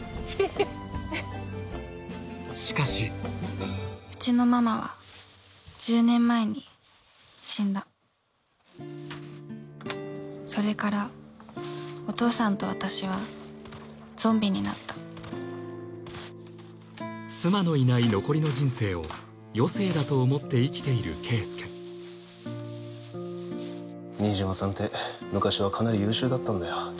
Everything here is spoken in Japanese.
しかしうちのママは１０年前に死んだそれからお父さんと私はゾンビになった妻のいない残りの人生を余生だと思って生きている圭介新島さんって昔はかなり優秀だったんだよ